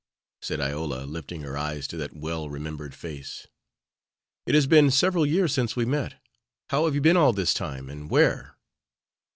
said Iola, lifting her eyes to that well remembered face. "It has been several years since we met. How have you been all this time, and where?"